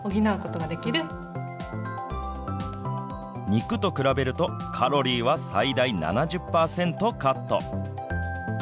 肉と比べると、カロリーは最大７０％カット。